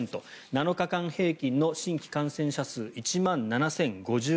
７日間平均の新規感染者数１万７０５８人。